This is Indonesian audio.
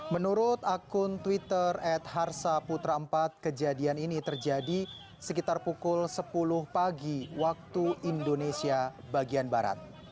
menurut akun twitter at harsa putra empat kejadian ini terjadi sekitar pukul sepuluh pagi waktu indonesia bagian barat